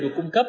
được cung cấp